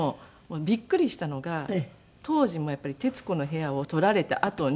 びっくりしたのが当時もやっぱり『徹子の部屋』を撮られたあとに。